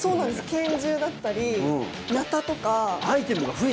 拳銃だったりなたとか。